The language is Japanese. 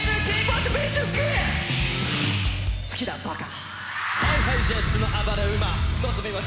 好きだバカ。